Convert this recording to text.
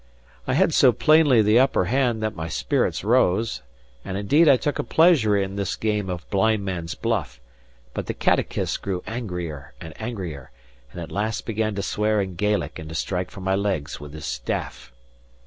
I had so plainly the upper hand that my spirits rose, and indeed I took a pleasure in this game of blindman's buff; but the catechist grew angrier and angrier, and at last began to swear in Gaelic and to strike for my legs with his staff.